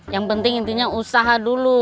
yang penting intinya usaha dulu